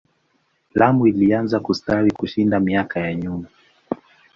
Lamu ilianza kustawi kushinda miaka ya nyuma.